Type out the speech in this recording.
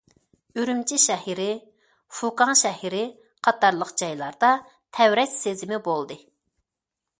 ئۈرۈمچى شەھىرى، فۇكاڭ شەھىرى قاتارلىق جايلاردا تەۋرەش سېزىمى بولدى.